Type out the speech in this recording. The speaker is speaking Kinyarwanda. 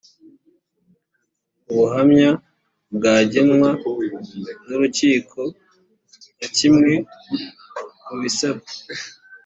ubuhamya bwagenwa n’urukiko nka kimwe mu bisabwa